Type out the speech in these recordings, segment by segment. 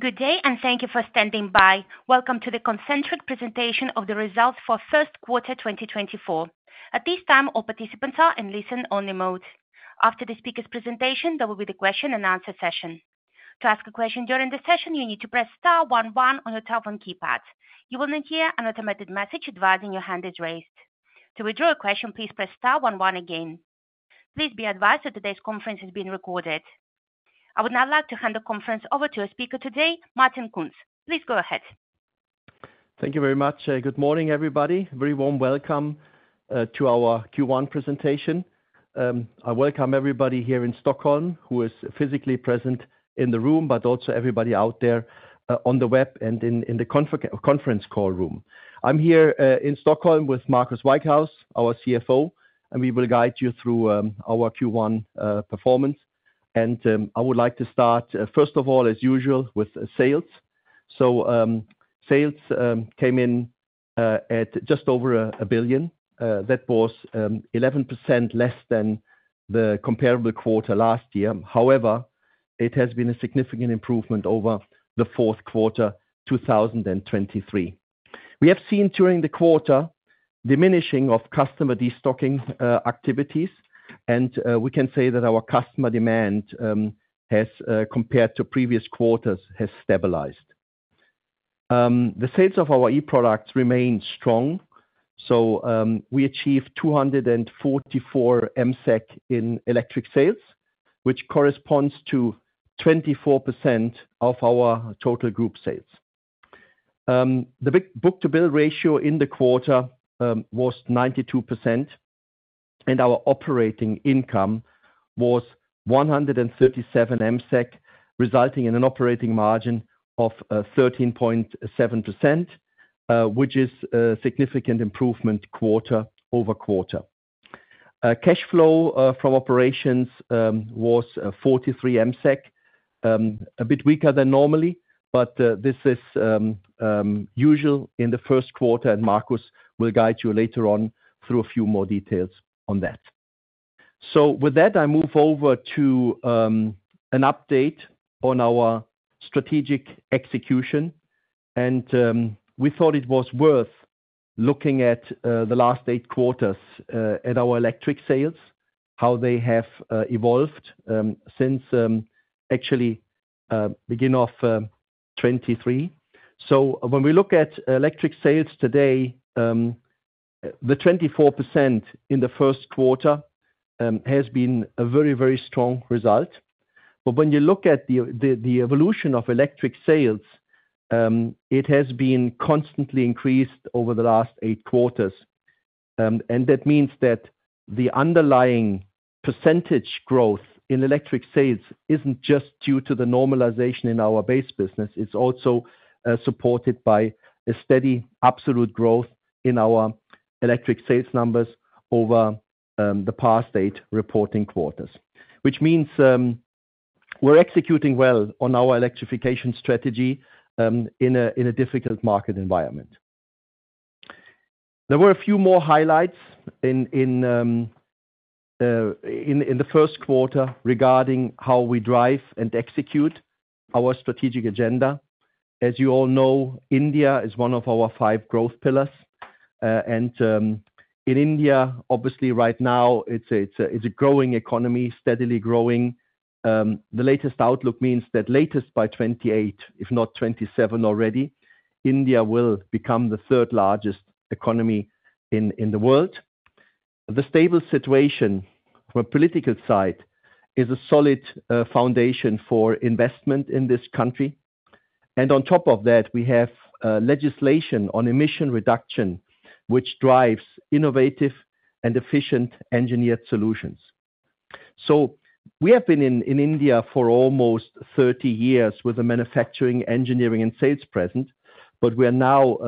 Good day and thank you for standing by. Welcome to the Concentric presentation of the results for first quarter 2024. At this time, all participants are in listen-only mode. After the speaker's presentation, there will be the question-and-answer session. To ask a question during the session, you need to press star one one on your telephone keypad. You will not hear an automated message advising your hand is raised. To withdraw a question, please press star one one again. Please be advised that today's conference is being recorded. I would now like to hand the conference over to our speaker today, Martin Kunz. Please go ahead. Thank you very much. Good morning, everybody. Very warm welcome to our Q1 presentation. I welcome everybody here in Stockholm who is physically present in the room, but also everybody out there on the web and in the conference call room. I'm here in Stockholm with Marcus Whitehouse, our CFO, and we will guide you through our Q1 performance. I would like to start, first of all, as usual, with sales. Sales came in at just over 1 billion. That was 11% less than the comparable quarter last year. However, it has been a significant improvement over the fourth quarter 2023. We have seen during the quarter diminishing of customer destocking activities, and we can say that our customer demand has, compared to previous quarters, stabilized. The sales of our e-products remain strong. So, we achieved 244 million in electric sales, which corresponds to 24% of our total group sales. The book-to-bill ratio in the quarter was 92%, and our operating income was 137 million, resulting in an operating margin of 13.7%, which is a significant improvement quarter-over-quarter. Cash flow from operations was 43 million, a bit weaker than normally, but this is usual in the first quarter, and Marcus will guide you later on through a few more details on that. So with that, I move over to an update on our strategic execution, and we thought it was worth looking at the last eight quarters at our electric sales, how they have evolved since actually beginning of 2023. So when we look at electric sales today, the 24% in the first quarter has been a very, very strong result. But when you look at the evolution of electric sales, it has been constantly increased over the last eight quarters. That means that the underlying percentage growth in electric sales isn't just due to the normalization in our base business. It's also supported by a steady absolute growth in our electric sales numbers over the past eight reporting quarters, which means we're executing well on our electrification strategy in a difficult market environment. There were a few more highlights in the first quarter regarding how we drive and execute our strategic agenda. As you all know, India is one of our five growth pillars, and in India, obviously, right now, it's a growing economy, steadily growing. The latest outlook means that latest by 2028, if not 2027 already, India will become the third-largest economy in the world. The stable situation from a political side is a solid foundation for investment in this country. And on top of that, we have legislation on emission reduction, which drives innovative and efficient engineered solutions. So we have been in India for almost 30 years with a manufacturing, engineering, and sales presence, but we are now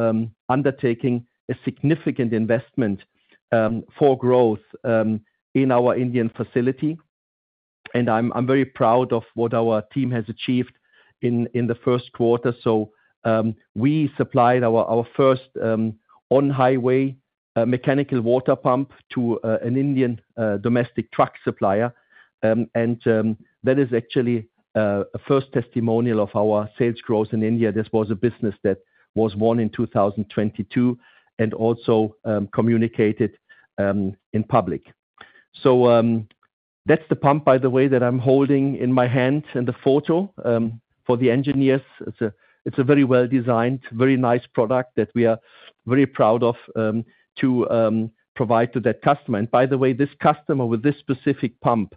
undertaking a significant investment for growth in our Indian facility. And I'm very proud of what our team has achieved in the first quarter. So, we supplied our first on-highway mechanical water pump to an Indian domestic truck supplier, and that is actually a first testimonial of our sales growth in India. This was a business that was born in 2022 and also communicated in public. So, that's the pump, by the way, that I'm holding in my hand and the photo for the engineers. It's a very well-designed, very nice product that we are very proud of, to provide to that customer. And by the way, this customer with this specific pump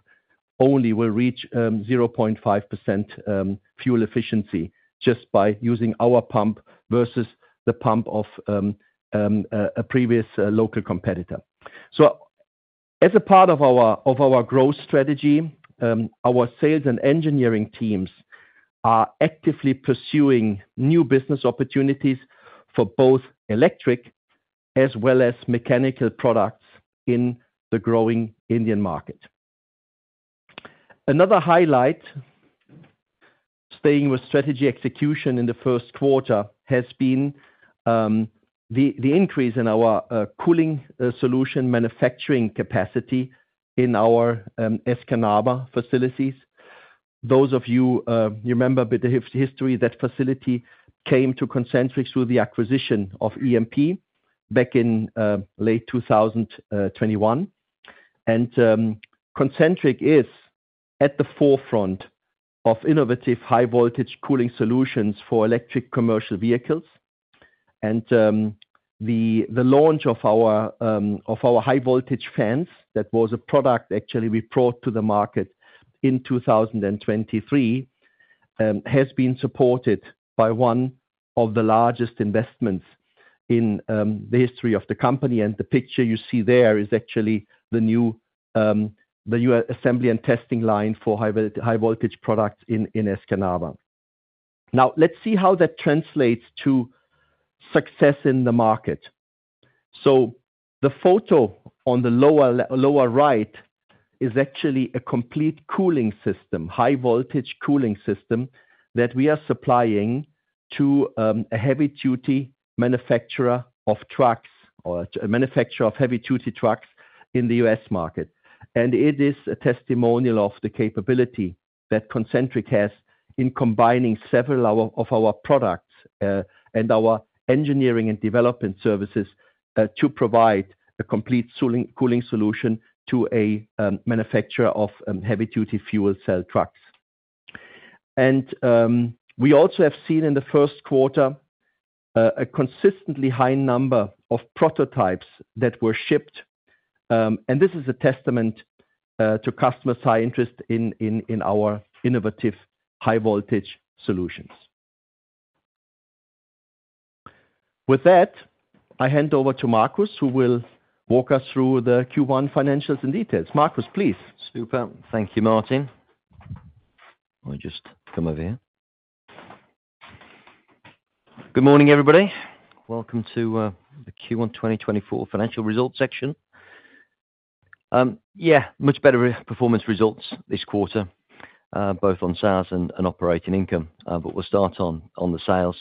only will reach 0.5% fuel efficiency just by using our pump versus the pump of a previous local competitor. So as a part of our growth strategy, our sales and engineering teams are actively pursuing new business opportunities for both electric as well as mechanical products in the growing Indian market. Another highlight staying with strategy execution in the first quarter has been the increase in our cooling solution manufacturing capacity in our Escanaba facilities. Those of you remember a bit of history. That facility came to Concentric through the acquisition of EMP back in late 2021. And Concentric is at the forefront of innovative high-voltage cooling solutions for electric commercial vehicles. The launch of our high-voltage fans that was a product actually we brought to the market in 2023 has been supported by one of the largest investments in the history of the company. And the picture you see there is actually the new assembly and testing line for high-voltage products in Escanaba. Now, let's see how that translates to success in the market. The photo on the lower right is actually a complete cooling system, high-voltage cooling system that we are supplying to a heavy-duty manufacturer of trucks or a manufacturer of heavy-duty trucks in the U.S. market. And it is a testimonial of the capability that Concentric has in combining several of our products, and our engineering and development services, to provide a complete cooling solution to a manufacturer of heavy-duty fuel cell trucks. We also have seen in the first quarter a consistently high number of prototypes that were shipped. And this is a testament to customer's high interest in our innovative high-voltage solutions. With that, I hand over to Marcus, who will walk us through the Q1 financials in detail. Marcus, please. Super. Thank you, Martin. I'll just come over here. Good morning, everybody. Welcome to the Q1 2024 financial results section. Yeah, much better performance results this quarter, both on sales and operating income, but we'll start on the sales.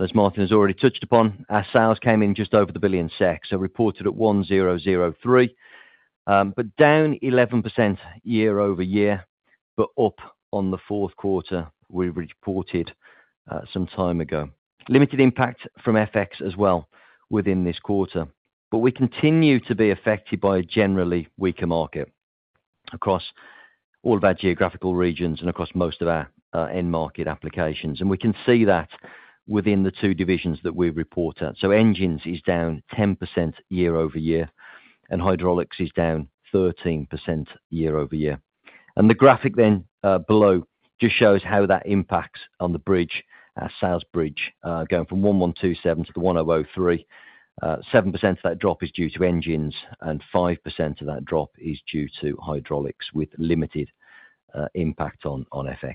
As Martin has already touched upon, our sales came in just over 1 billion SEK, so reported at 1,003 million, but down 11% year-over-year, but up on the fourth quarter we reported some time ago. Limited impact from FX as well within this quarter. But we continue to be affected by a generally weaker market across all of our geographical regions and across most of our end-market applications. We can see that within the two divisions that we report at. So engines is down 10% year-over-year, and hydraulics is down 13% year-over-year. The graphic then, below just shows how that impacts on the bridge, our sales bridge, going from 1,127 million-1,003 million. 7% of that drop is due to engines, and 5% of that drop is due to hydraulics with limited impact on FX.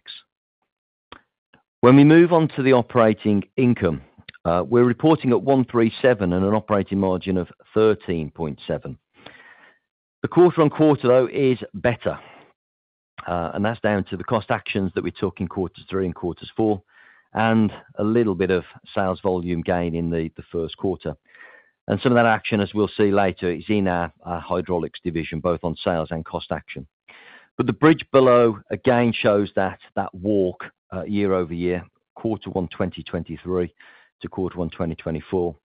When we move on to the operating income, we're reporting 1,377 million and an operating margin of 13.7%. The quarter-on-quarter, though, is better, and that's down to the cost actions that we took in quarters three and quarters four and a little bit of sales volume gain in the first quarter. Some of that action, as we'll see later, is in our hydraulics division, both on sales and cost action. But the bridge below, again, shows that walk, year-over-year, quarter one 2023 to quarter one 2024.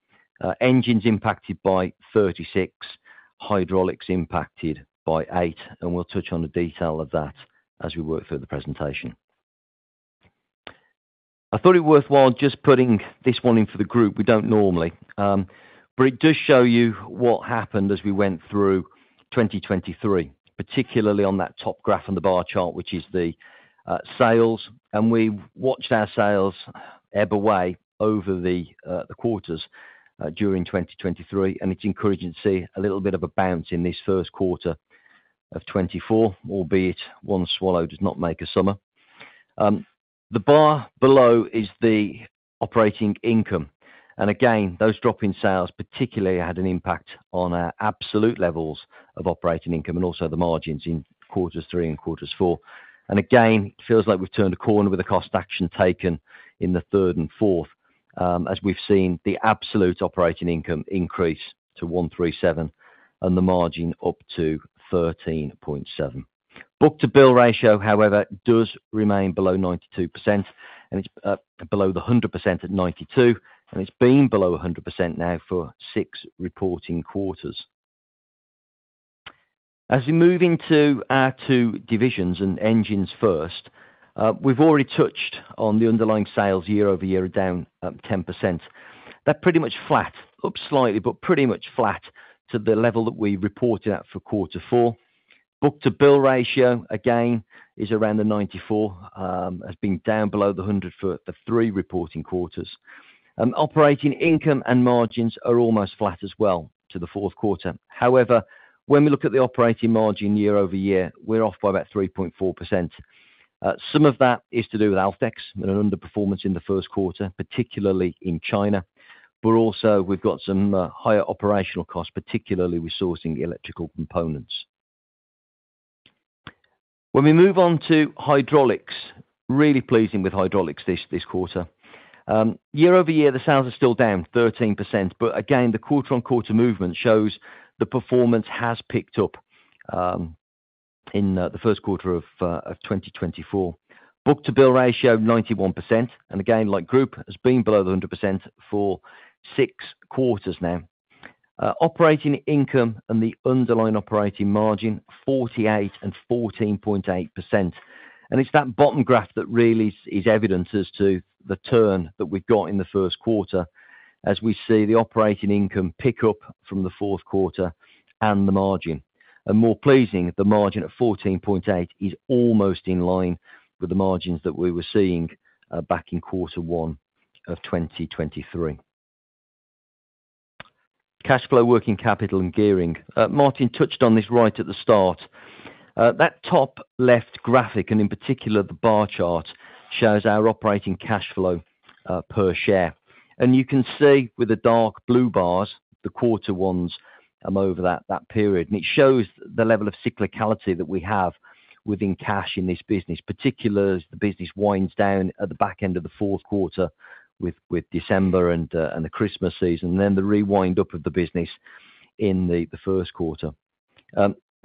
Engines impacted by 36, hydraulics impacted by 8, and we'll touch on the detail of that as we work through the presentation. I thought it was worthwhile just putting this one in for the group. We don't normally, but it does show you what happened as we went through 2023, particularly on that top graph on the bar chart, which is the, sales. And we watched our sales ebb away over the, the quarters, during 2023, and it's encouraging to see a little bit of a bounce in this first quarter of 2024, albeit one swallow does not make a summer. The bar below is the operating income. And again, those drop in sales particularly had an impact on our absolute levels of operating income and also the margins in quarters three and quarters four. Again, it feels like we've turned a corner with a cost action taken in the third and fourth, as we've seen the absolute operating income increase to 137 million and the margin up to 13.7%. Book-to-bill ratio, however, does remain below 92%, and it's below the 100% at 92%, and it's been below 100% now for six reporting quarters. As we move into our two divisions and engines first, we've already touched on the underlying sales year-over-year down 10%. That pretty much flat, up slightly, but pretty much flat to the level that we reported at for quarter four. Book-to-bill ratio, again, is around the 94%, has been down below the 100% for the three reporting quarters. Operating income and margins are almost flat as well to the fourth quarter. However, when we look at the operating margin year-over-year, we're off by about 3.4%. Some of that is to do with Alfdex and an underperformance in the first quarter, particularly in China. But also, we've got some higher operational costs, particularly resourcing electrical components. When we move on to hydraulics, really pleasing with hydraulics this, this quarter. Year-over-year, the sales are still down 13%, but again, the quarter-on-quarter movement shows the performance has picked up in the first quarter of 2024. Book-to-bill ratio 91%, and again, like group, has been below the 100% for six quarters now. Operating income and the underlying operating margin, 48 million and 14.8%. And it's that bottom graph that really is evident as to the turn that we've got in the first quarter as we see the operating income pick up from the fourth quarter and the margin. More pleasing, the margin at 14.8% is almost in line with the margins that we were seeing, back in quarter one of 2023. Cash flow, working capital, and gearing. Martin touched on this right at the start. That top left graphic, and in particular, the bar chart, shows our operating cash flow, per share. And you can see with the dark blue bars, the quarter ones, over that, that period. And it shows the level of cyclicality that we have within cash in this business, particularly as the business winds down at the back end of the fourth quarter with December and the Christmas season, and then the wind up of the business in the, the first quarter.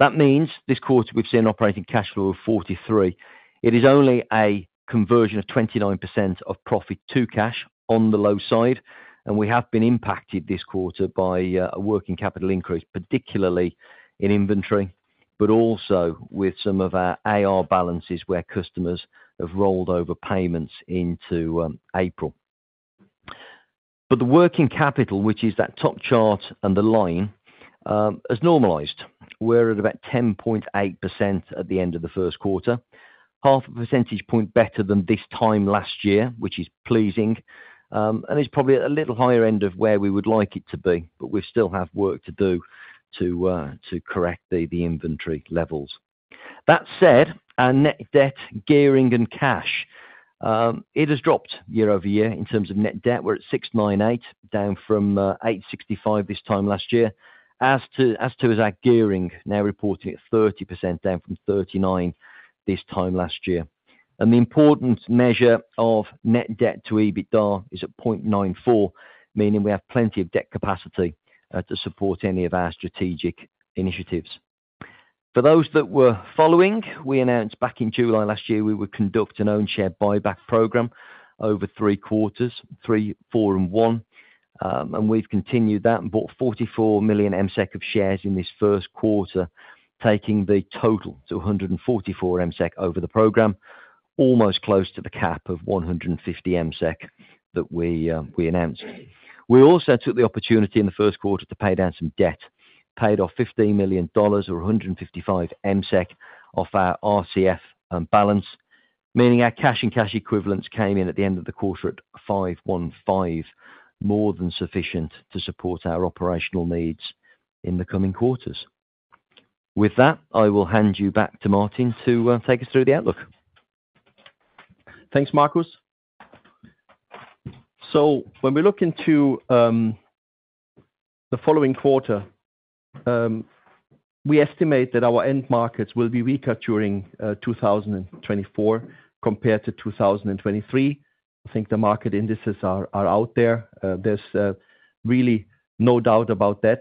That means this quarter we've seen operating cash flow of 43 million. It is only a conversion of 29% of profit to cash on the low side. We have been impacted this quarter by a working capital increase, particularly in inventory, but also with some of our AR balances where customers have rolled over payments into April. But the working capital, which is that top chart and the line, has normalized. We're at about 10.8% at the end of the first quarter, half a percentage point better than this time last year, which is pleasing, and it's probably at a little higher end of where we would like it to be, but we still have work to do to correct the inventory levels. That said, our net debt, gearing, and cash, it has dropped year-over-year in terms of net debt. We're at 698 million, down from 865 million this time last year. As to our gearing, now reporting at 30%, down from 39% this time last year. And the important measure of net debt to EBITDA is at 0.94, meaning we have plenty of debt capacity to support any of our strategic initiatives. For those that were following, we announced back in July last year we would conduct an own-share buyback program over three quarters, three, four, and one. And we've continued that and bought 44 million of shares in this first quarter, taking the total to 144 million over the program, almost close to the cap of 150 million that we, we announced. We also took the opportunity in the first quarter to pay down some debt, paid off $15 million or 155 million off our RCF balance, meaning our cash and cash equivalents came in at the end of the quarter at 515 million, more than sufficient to support our operational needs in the coming quarters. With that, I will hand you back to Martin to take us through the outlook. Thanks, Marcus. So when we look into the following quarter, we estimate that our end markets will be weaker during 2024 compared to 2023. I think the market indices are out there. There's really no doubt about that.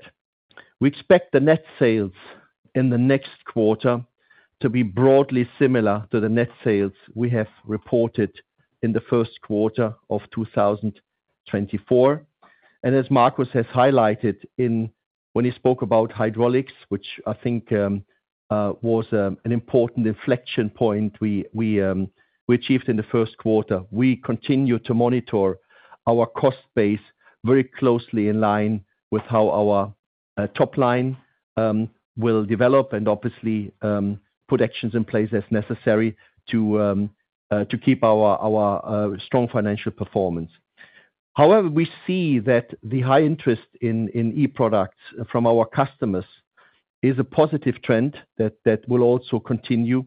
We expect the net sales in the next quarter to be broadly similar to the net sales we have reported in the first quarter of 2024. And as Marcus has highlighted in when he spoke about hydraulics, which I think was an important inflection point we achieved in the first quarter, we continue to monitor our cost base very closely in line with how our top line will develop and obviously put actions in place as necessary to keep our strong financial performance. However, we see that the high interest in e-products from our customers is a positive trend that will also continue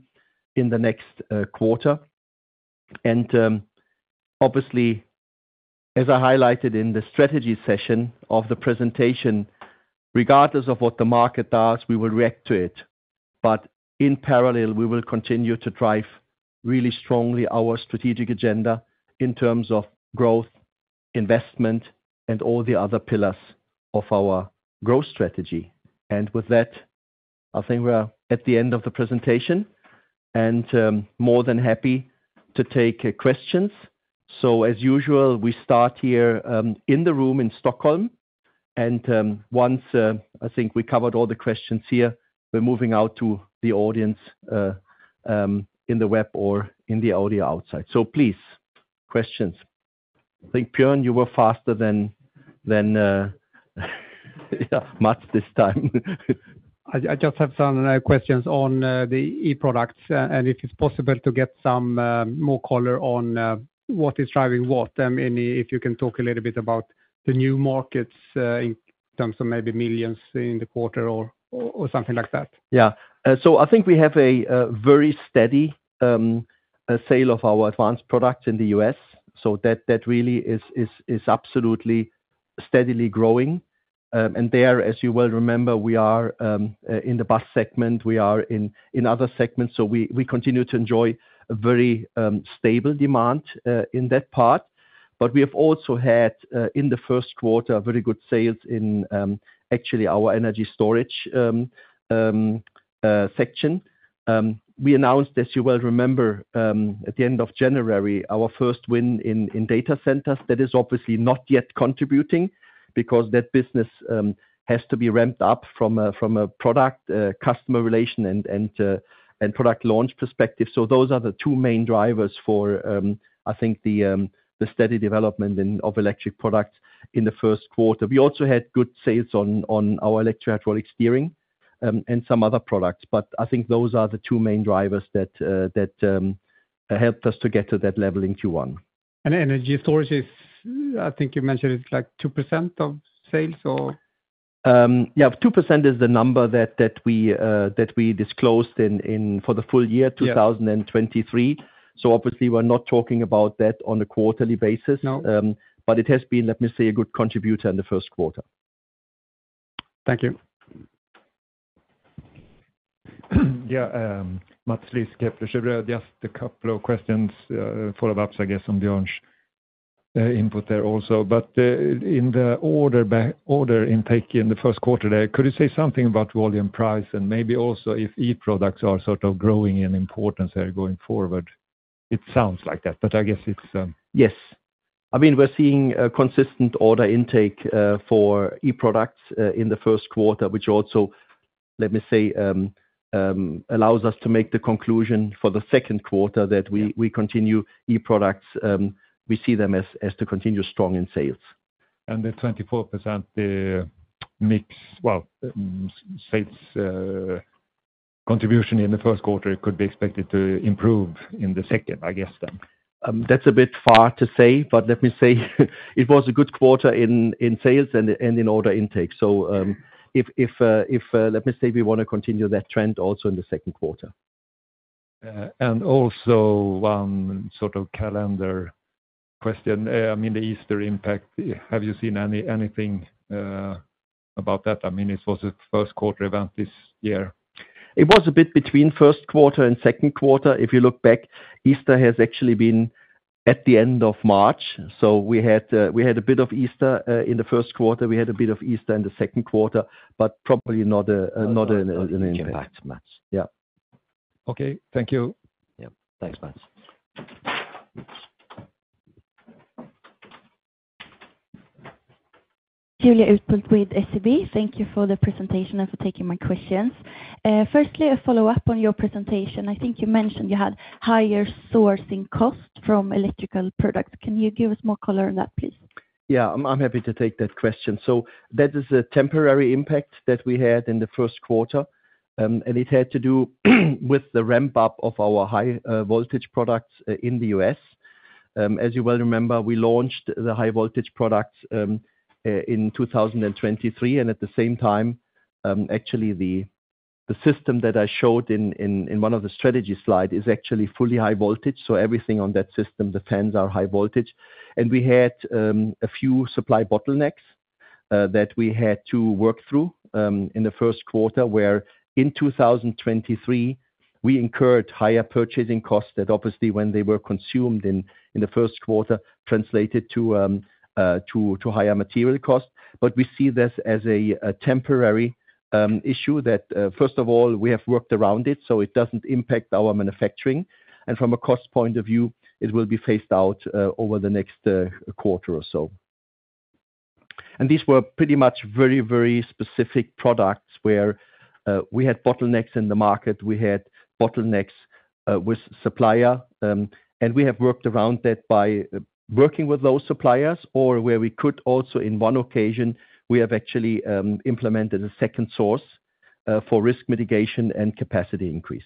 in the next quarter. Obviously, as I highlighted in the strategy session of the presentation, regardless of what the market does, we will react to it. In parallel, we will continue to drive really strongly our strategic agenda in terms of growth, investment, and all the other pillars of our growth strategy. With that, I think we're at the end of the presentation and more than happy to take questions. As usual, we start here, in the room in Stockholm. Once I think we covered all the questions here, we're moving out to the audience, in the web or in the audio outside. Please, questions. I think, Björn, you were faster than Mats this time. I just have some questions on the e-products and if it's possible to get some more color on what is driving what. If you can talk a little bit about the new markets in terms of maybe millions in the quarter or something like that. Yeah. So I think we have a very steady sale of our advanced products in the U.S. So that really is absolutely steadily growing. And there, as you well remember, we are in the bus segment. We are in other segments. So we continue to enjoy a very stable demand in that part. But we have also had, in the first quarter, very good sales in actually our energy storage section. We announced, as you well remember, at the end of January, our first win in data centers. That is obviously not yet contributing because that business has to be ramped up from a product, customer relation and product launch perspective. So those are the two main drivers for, I think, the steady development in of electric products in the first quarter. We also had good sales on our electro-hydraulic steering, and some other products. But I think those are the two main drivers that helped us to get to that level in Q1. Energy storage is, I think you mentioned it's like 2% of sales, or? Yeah, 2% is the number that we disclosed in for the full year, 2023. So obviously, we're not talking about that on a quarterly basis. No? It has been, let me say, a good contributor in the first quarter. Thank you. Yeah, Mats Liss, Kepler, raised a couple of questions, follow-ups, I guess, on Björn's input there also. But, in the order back order intake in the first quarter there, could you say something about volume price and maybe also if e-products are sort of growing in importance there going forward? It sounds like that, but I guess it's, Yes. I mean, we're seeing consistent order intake for e-products in the first quarter, which also, let me say, allows us to make the conclusion for the second quarter that we continue e-products; we see them as to continue strong in sales. The 24%, the mix, well, sales contribution in the first quarter, it could be expected to improve in the second, I guess, then? That's a bit far to say, but let me say it was a good quarter in sales and in order intake. So, let me say we want to continue that trend also in the second quarter. And also one sort of calendar question. I mean, the Easter impact, have you seen any, anything, about that? I mean, it was a first quarter event this year. It was a bit between first quarter and second quarter. If you look back, Easter has actually been at the end of March. So we had a bit of Easter in the first quarter. We had a bit of Easter in the second quarter, but probably not an impact. It came back to Mats. Yeah. Okay. Thank you. Yeah. Thanks, Mats. Julia Utbult with SEB. Thank you for the presentation and for taking my questions. Firstly, a follow-up on your presentation. I think you mentioned you had higher sourcing costs from electrical products. Can you give us more color on that, please? Yeah. I'm happy to take that question. So that is a temporary impact that we had in the first quarter. It had to do with the ramp-up of our high-voltage products in the U.S. As you well remember, we launched the high-voltage products in 2023. And at the same time, actually, the system that I showed in one of the strategy slides is actually fully high-voltage. So everything on that system, the fans, are high-voltage. And we had a few supply bottlenecks that we had to work through in the first quarter where in 2023 we incurred higher purchasing costs that obviously, when they were consumed in the first quarter, translated to higher material costs. But we see this as a temporary issue that first of all we have worked around it, so it doesn't impact our manufacturing. From a cost point of view, it will be phased out over the next quarter or so. These were pretty much very, very specific products where we had bottlenecks in the market. We had bottlenecks with supplier, and we have worked around that by working with those suppliers or where we could. Also in one occasion, we have actually implemented a second source for risk mitigation and capacity increase.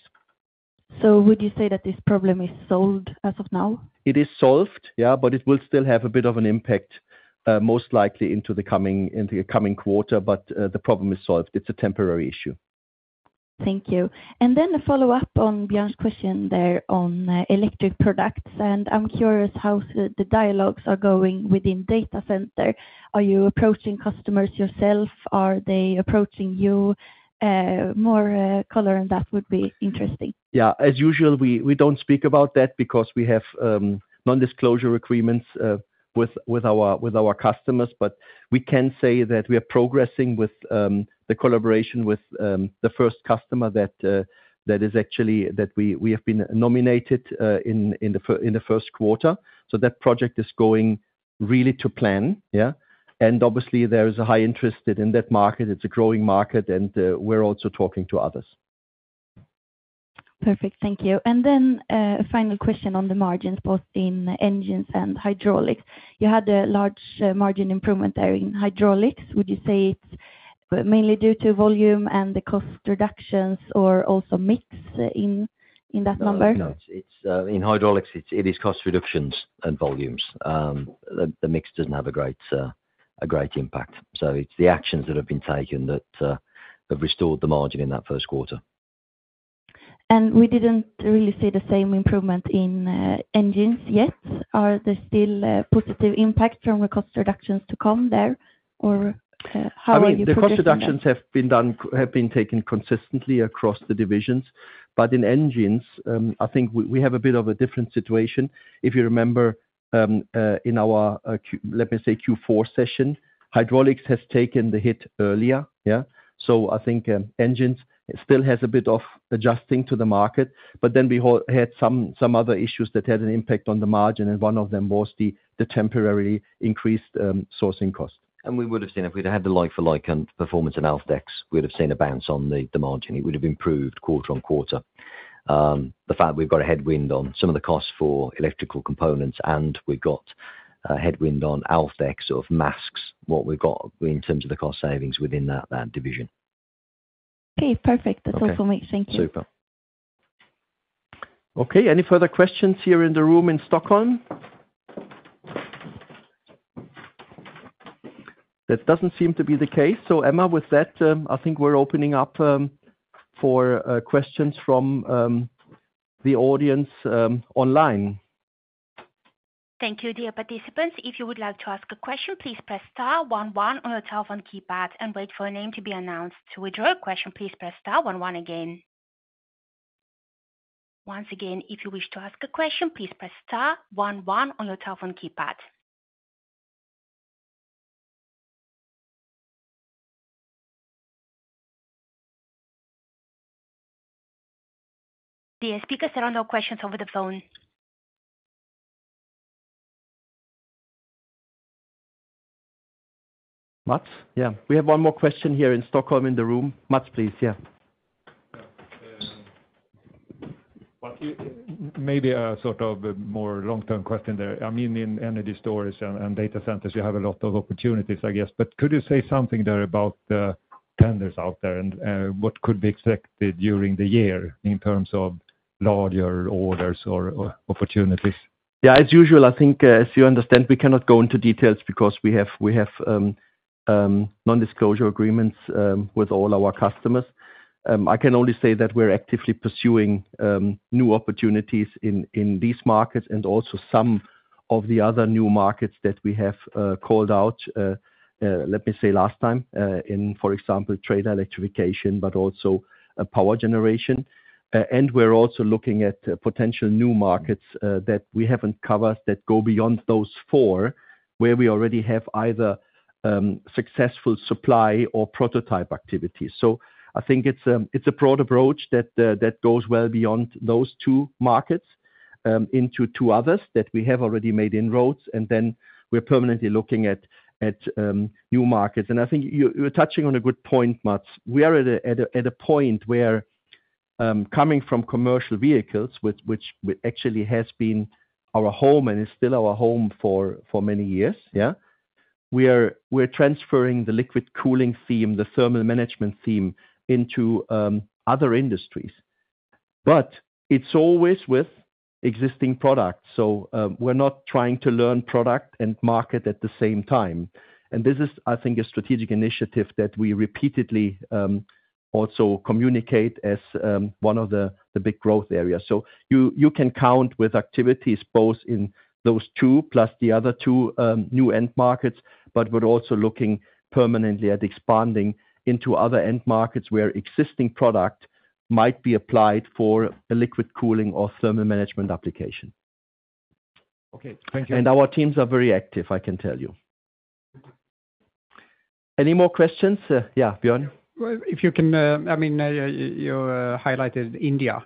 So would you say that this problem is solved as of now? It is solved, yeah, but it will still have a bit of an impact, most likely into the coming quarter. But, the problem is solved. It's a temporary issue. Thank you. And then a follow-up on Björn's question there on electric products. And I'm curious how the dialogues are going within data center. Are you approaching customers yourself? Are they approaching you? More color on that would be interesting. Yeah. As usual, we don't speak about that because we have non-disclosure agreements with our customers. But we can say that we are progressing with the collaboration with the first customer that is actually that we have been nominated in the first quarter. So that project is going really to plan, yeah? And obviously, there is a high interest in that market. It's a growing market, and we're also talking to others. Perfect. Thank you. And then, a final question on the margins, both in engines and hydraulics. You had a large, margin improvement there in hydraulics. Would you say it's mainly due to volume and the cost reductions or also mix in, in that number? No, it's not. It's, in hydraulics, it is cost reductions and volumes. The mix doesn't have a great impact. So it's the actions that have been taken that have restored the margin in that first quarter. We didn't really see the same improvement in engines yet. Are there still positive impacts from the cost reductions to come there, or how are you perceiving? I mean, the cost reductions have been done have been taken consistently across the divisions. But in engines, I think we, we have a bit of a different situation. If you remember, in our, let me say Q4 session, hydraulics has taken the hit earlier, yeah? So I think, engines still has a bit of adjusting to the market. But then we had some, some other issues that had an impact on the margin. And one of them was the, the temporarily increased sourcing cost. We would have seen if we'd had the like-for-like on performance and Alfdex, we would have seen a bounce on the margin. It would have improved quarter-on-quarter. The fact we've got a headwind on some of the costs for electrical components, and we've got headwind on Alfdex masks, what we've got in terms of the cost savings within that division. Okay. Perfect. That also makes sense. Okay. Super. Okay. Any further questions here in the room in Stockholm? That doesn't seem to be the case. So Emma, with that, I think we're opening up for questions from the audience online. Thank you, dear participants. If you would like to ask a question, please press star one one on your telephone keypad and wait for a name to be announced. To withdraw a question, please press star one one again. Once again, if you wish to ask a question, please press star one one on your telephone keypad. Dear speakers, there are no questions over the phone. Mats? Yeah. We have one more question here in Stockholm in the room. Mats, please. Yeah? Yeah. Mats, you maybe a sort of a more long-term question there. I mean, in energy storage and, and data centers, you have a lot of opportunities, I guess. But could you say something there about the tenders out there and, what could be expected during the year in terms of larger orders or, or opportunities? Yeah. As usual, I think, as you understand, we cannot go into details because we have nondisclosure agreements with all our customers. I can only say that we're actively pursuing new opportunities in these markets and also some of the other new markets that we have called out, let me say last time, in, for example, truck electrification, but also power generation. And we're also looking at potential new markets that we haven't covered that go beyond those four where we already have either successful supply or prototype activities. So I think it's a broad approach that goes well beyond those two markets into two others that we have already made inroads. And then we're permanently looking at new markets. And I think you're touching on a good point, Mats. We are at a point where, coming from commercial vehicles, which actually has been our home and is still our home for many years, yeah? We are transferring the liquid cooling theme, the thermal management theme, into other industries. But it's always with existing products. So, we're not trying to learn product and market at the same time. And this is, I think, a strategic initiative that we repeatedly also communicate as one of the big growth areas. So you can count with activities both in those two plus the other two new end markets, but we're also looking permanently at expanding into other end markets where existing product might be applied for a liquid cooling or thermal management application. Okay. Thank you. And our teams are very active, I can tell you. Any more questions? Yeah, Björn? Well, if you can, I mean, you highlighted India,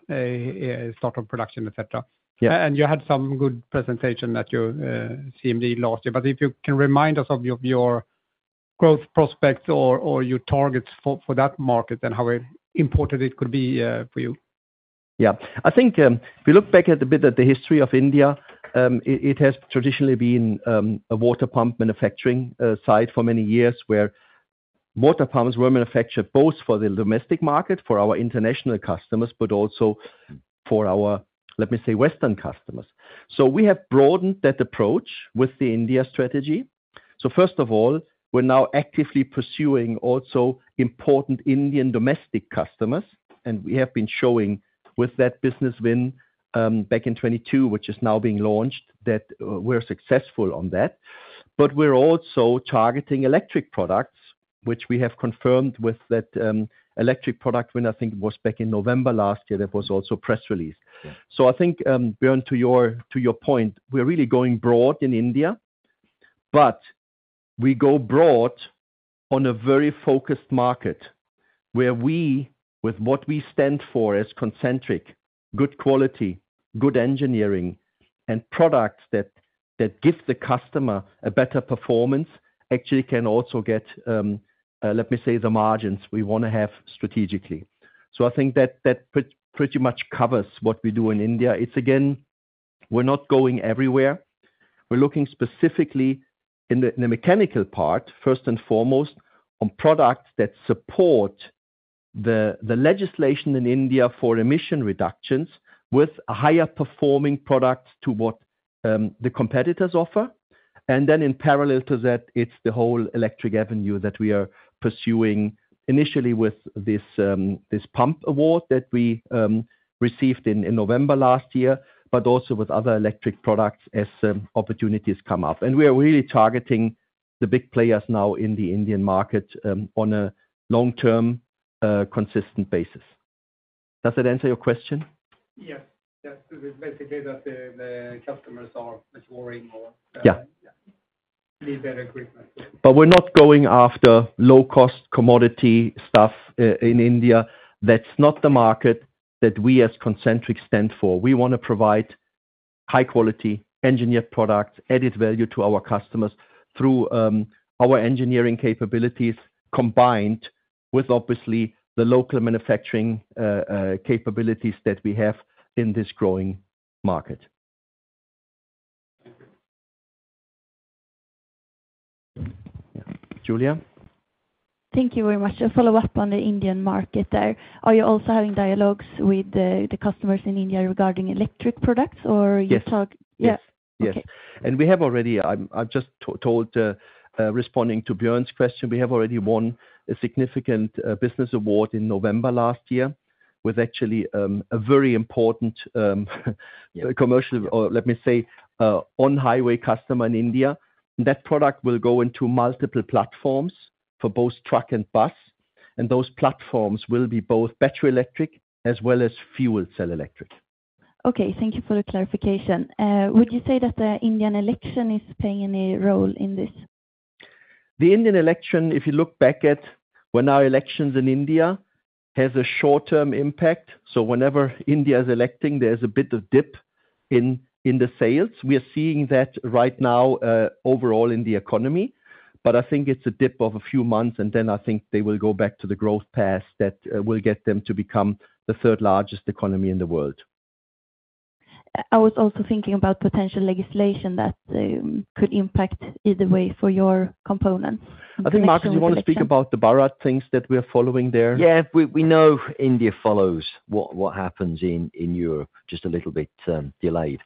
startup production, etc. Yeah. You had some good presentation at your CMD last year. But if you can remind us of your growth prospects or your targets for that market and how important it could be for you. Yeah. I think, if we look back a bit at the history of India, it has traditionally been a water pump manufacturing site for many years where water pumps were manufactured both for the domestic market, for our international customers, but also for our, let me say, Western customers. So we have broadened that approach with the India strategy. So first of all, we're now actively pursuing also important Indian domestic customers. And we have been showing with that business win, back in 2022, which is now being launched, that we're successful on that. But we're also targeting electric products, which we have confirmed with that electric product win, I think, was back in November last year that was also press released. Yeah. So I think, Björn, to your point, we're really going broad in India. But we go broad on a very focused market where we, with what we stand for as Concentric, good quality, good engineering, and products that give the customer a better performance, actually can also get, let me say, the margins we want to have strategically. So I think that pretty much covers what we do in India. It's, again, we're not going everywhere. We're looking specifically in the mechanical part, first and foremost, on products that support the legislation in India for emission reductions with higher-performing products to what the competitors offer. And then in parallel to that, it's the whole electric avenue that we are pursuing initially with this pump award that we received in November last year, but also with other electric products as opportunities come up. And we are really targeting the big players now in the Indian market, on a long-term, consistent basis. Does that answer your question? Yes. Yeah. Basically, that the customers are maturing or, Yeah. Yeah. Need better equipment. We're not going after low-cost commodity stuff in India. That's not the market that we as Concentric stand for. We want to provide high-quality engineered products, added value to our customers through our engineering capabilities combined with, obviously, the local manufacturing capabilities that we have in this growing market. Thank you. Julia? Thank you very much. A follow-up on the Indian market there. Are you also having dialogues with the customers in India regarding electric products, or you talk? Yes. Yes. Yes. Okay. And we have already, responding to Björn's question, we have already won a significant business award in November last year with actually a very important commercial or let me say on-highway customer in India. And that product will go into multiple platforms for both truck and bus. And those platforms will be both battery electric as well as fuel cell electric. Okay. Thank you for the clarification. Would you say that the Indian election is playing any role in this? The Indian election, if you look back at when our elections in India has a short-term impact, so whenever India is electing, there's a bit of dip in the sales. We are seeing that right now, overall in the economy. But I think it's a dip of a few months, and then I think they will go back to the growth path that will get them to become the third-largest economy in the world. I was also thinking about potential legislation that could impact either way for your components. I think, Marcus, you want to speak about the Bharat things that we are following there? Yeah. We know India follows what happens in Europe, just a little bit delayed.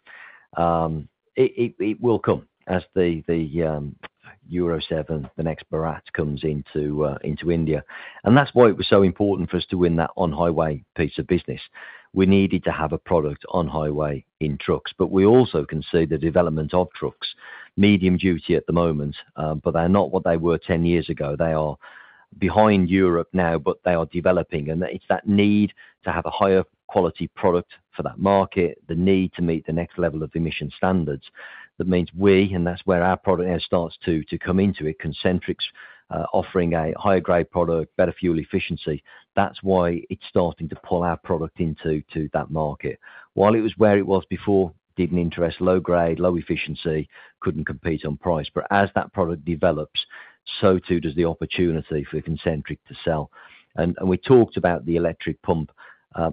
It will come as the Euro 7, the next Bharat, comes into India. And that's why it was so important for us to win that on-highway piece of business. We needed to have a product on highway in trucks. But we also can see the development of trucks, medium-duty at the moment, but they're not what they were 10 years ago. They are behind Europe now, but they are developing. And it's that need to have a higher-quality product for that market, the need to meet the next level of emission standards. That means we and that's where our product now starts to come into it, Concentric's, offering a higher-grade product, better fuel efficiency. That's why it's starting to pull our product into that market. While it was where it was before, didn't interest, low-grade, low efficiency, couldn't compete on price. But as that product develops, so too does the opportunity for Concentric to sell. And we talked about the electric pump.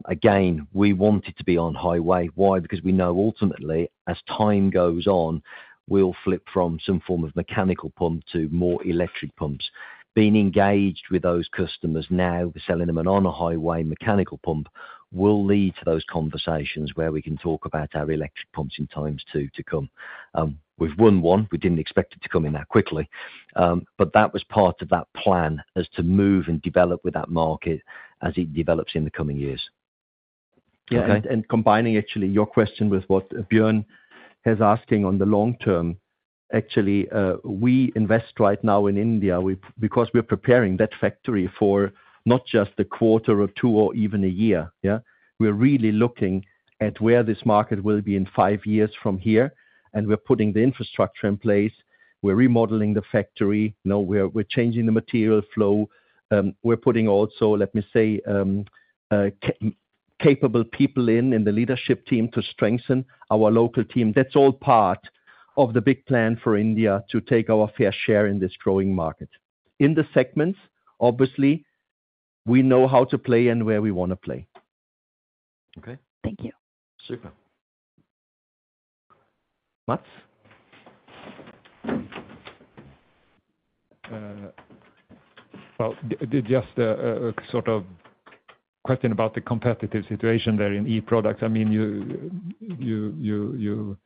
Again, we wanted to be on highway. Why? Because we know ultimately, as time goes on, we'll flip from some form of mechanical pump to more electric pumps. Being engaged with those customers now, selling them an on-highway mechanical pump, will lead to those conversations where we can talk about our electric pumps in times to come. We've won one. We didn't expect it to come in that quickly. But that was part of that plan as to move and develop with that market as it develops in the coming years. Yeah. Okay. Combining actually your question with what Björn is asking on the long term, actually, we invest right now in India because we're preparing that factory for not just a quarter or two or even a year, yeah? We're really looking at where this market will be in five years from here. And we're putting the infrastructure in place. We're remodeling the factory. You know, we're changing the material flow. We're putting also, let me say, capable people in the leadership team to strengthen our local team. That's all part of the big plan for India to take our fair share in this growing market. In the segments, obviously, we know how to play and where we want to play. Okay. Thank you. Super. Mats? Well, just a sort of question about the competitive situation there in e-products. I mean, you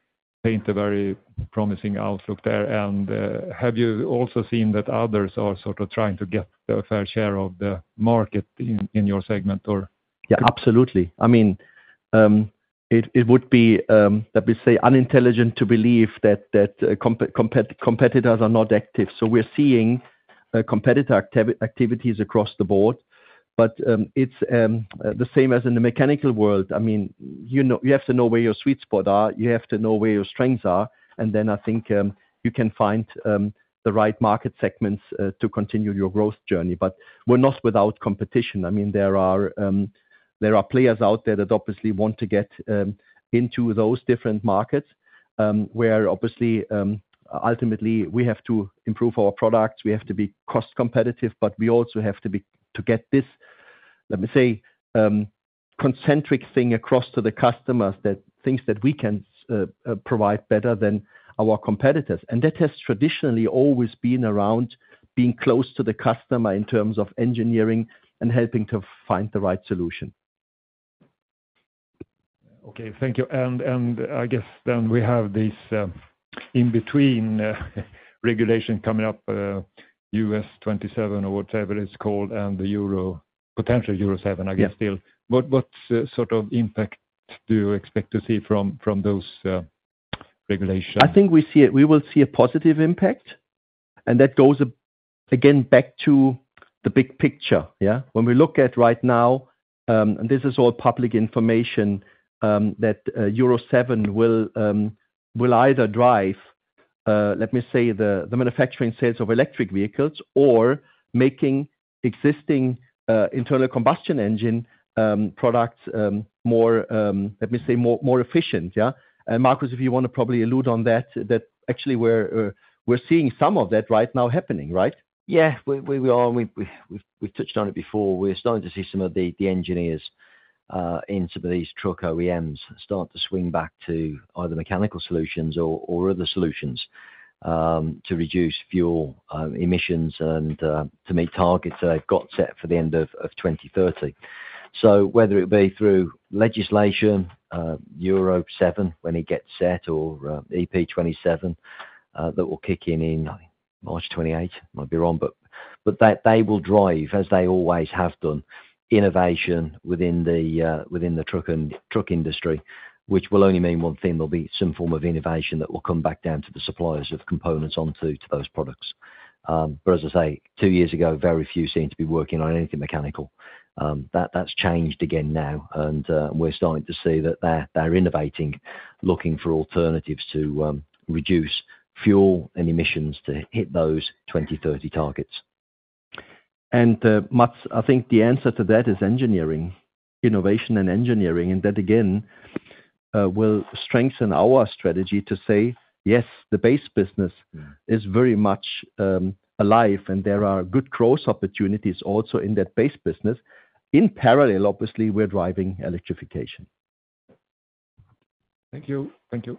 paint a very promising outlook there. And, have you also seen that others are sort of trying to get a fair share of the market in your segment, or? Yeah. Absolutely. I mean, it would be, let me say, unintelligent to believe that competitors are not active. So we're seeing competitor activities across the board. But it's the same as in the mechanical world. I mean, you know you have to know where your sweet spot are. You have to know where your strengths are. And then I think you can find the right market segments to continue your growth journey. But we're not without competition. I mean, there are players out there that obviously want to get into those different markets, where obviously, ultimately, we have to improve our products. We have to be cost-competitive. But we also have to be to get this, let me say, Concentric thing across to the customers that things that we can provide better than our competitors. That has traditionally always been around being close to the customer in terms of engineering and helping to find the right solution. Okay. Thank you. I guess then we have this, in-between, regulation coming up, US27 or whatever it's called and the Euro potential Euro 7, I guess, still. Yeah. What sort of impact do you expect to see from those regulations? I think we will see a positive impact. And that goes back to the big picture, yeah? When we look at right now, and this is all public information, that Euro 7 will either drive, let me say, the manufacturing sales of electric vehicles or making existing internal combustion engine products more, let me say, more efficient, yeah? And Marcus, if you want to probably allude on that, that actually we're seeing some of that right now happening, right? Yeah. We are and we've touched on it before. We're starting to see some of the engineers in some of these truck OEMs start to swing back to either mechanical solutions or other solutions to reduce fuel emissions and to meet targets they've got set for the end of 2030. So whether it be through legislation, Euro 7 when it gets set or EP27 that will kick in in March 2028, might be wrong, but that they will drive, as they always have done, innovation within the truck and truck industry, which will only mean one thing. There'll be some form of innovation that will come back down to the suppliers of components onto those products. But as I say, two years ago, very few seemed to be working on anything mechanical. That's changed again now. We're starting to see that they're innovating, looking for alternatives to reduce fuel and emissions to hit those 2030 targets. Mats, I think the answer to that is engineering, innovation, and engineering. And that, again, will strengthen our strategy to say, yes, the base business is very much alive, and there are good growth opportunities also in that base business. In parallel, obviously, we're driving electrification. Thank you. Thank you.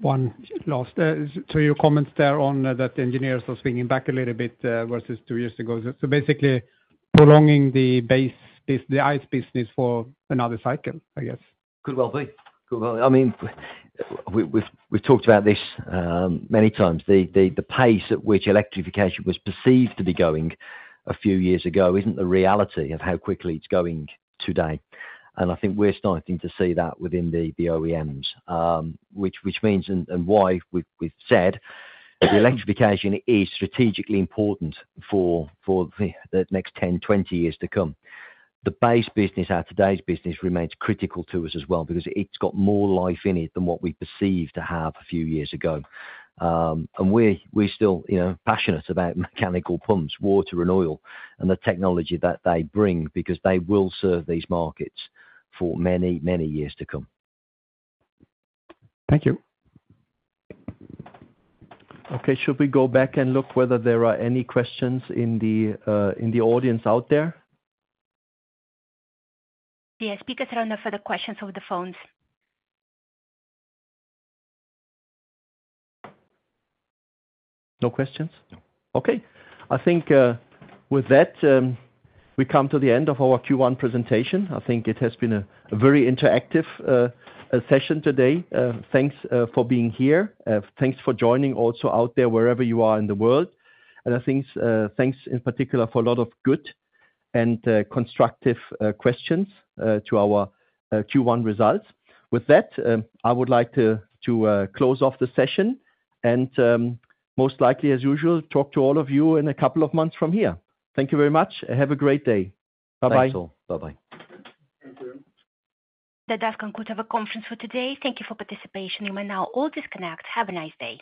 One last, to your comments there on, that the engineers are swinging back a little bit, versus two years ago. So, basically, prolonging the base by the ICE business for another cycle, I guess. Could well be. Could well be. I mean, we've talked about this many times. The pace at which electrification was perceived to be going a few years ago isn't the reality of how quickly it's going today. And I think we're starting to see that within the OEMs, which means and why we've said the electrification is strategically important for the next 10, 20 years to come. The base business, our today's business, remains critical to us as well because it's got more life in it than what we perceived to have a few years ago, and we're still, you know, passionate about mechanical pumps, water and oil, and the technology that they bring because they will serve these markets for many, many years to come. Thank you. Okay. Should we go back and look whether there are any questions in the audience out there? Yeah. Speakers are on there for the questions over the phones. No questions? No. Okay. I think, with that, we come to the end of our Q1 presentation. I think it has been a very interactive session today. Thanks for being here. Thanks for joining also out there wherever you are in the world. I think, thanks in particular for a lot of good and constructive questions to our Q1 results. With that, I would like to close off the session and, most likely, as usual, talk to all of you in a couple of months from here. Thank you very much. Have a great day. Bye-bye. Thanks, all. Bye-bye. Thank you. This concludes our conference for today. Thank you for your participation. You may now all disconnect. Have a nice day.